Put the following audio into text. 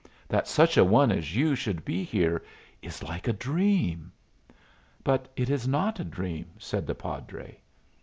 That such a one as you should be here is like a dream." "But it is not a dream," said the padre.